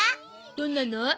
どんなの？